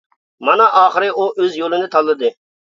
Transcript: مانا ئاخىرى ئۇ ئۆز يولىنى تاللىدى.